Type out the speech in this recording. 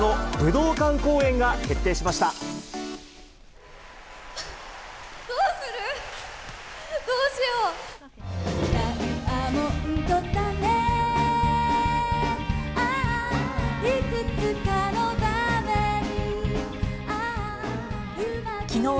どうしよう！